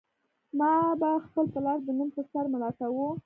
ما به خپل پلار د نوم په سر ملامتاوه